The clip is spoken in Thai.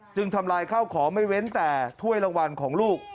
ทำลายข้าวของไม่เว้นแต่ถ้วยรางวัลของลูก